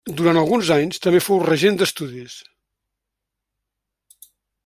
Durant alguns anys també fou regent d'estudis.